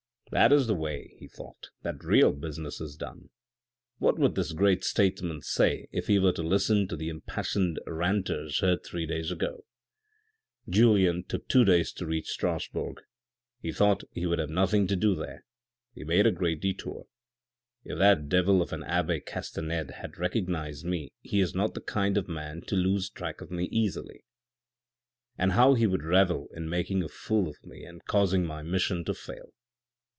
" That is the way," he thought, " that real business is done ; what would this great statesman say if he were to listen to the impassioned ranters heard three days ago ?" Julien took two days to reach Strasbourg. He thought he would have nothing to do there. He made a great detour. " If that devil of an abbe Castanede has recognised me he is not the kind of man to loose track of me easily ... And how he would revel in making a fool of me, and causing my mission to fail."